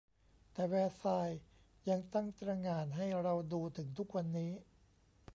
แต่แวร์ซายน์ยังตั้งตระหง่านให้เราดูถึงทุกวันนี้